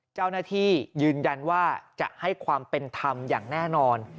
เจ้าหน้าที่ยืนยันว่าจะให้ความเป็นธรรมอย่างแน่นอน